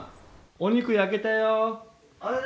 お肉焼けたよ。